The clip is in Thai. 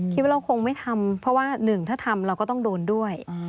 คิดว่าเราคงไม่ทำเพราะว่าหนึ่งถ้าทำเราก็ต้องโดนด้วย